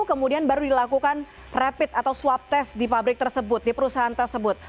kemudian baru dilakukan rapid atau swab test di pabrik tersebut di perusahaan tersebut